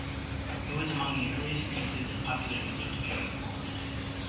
It was among the earliest pieces of popular music to be recorded.